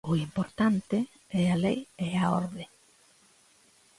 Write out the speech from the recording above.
O importante é a lei e a orde.